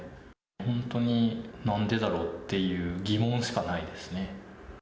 本当に、なんでだろうっていう疑問しかないですね。